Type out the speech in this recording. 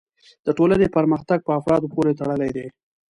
د ټولنې پرمختګ په افرادو پورې تړلی دی.